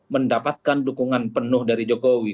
mendapatkan dukungan penuh dari jokowi